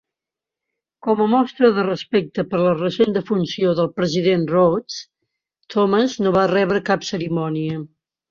Com a mostra de respecte per la recent defunció del president Rhoads, Thomas no va rebre cap cerimònia.